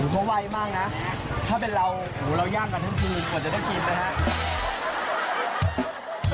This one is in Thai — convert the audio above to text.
เพราะไวมากนะถ้าเป็นเราเราย่างกันทั้งคืนกว่าจะได้กินนะครับ